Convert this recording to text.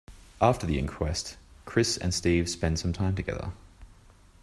After the inquest Chris and Steve spend some time together.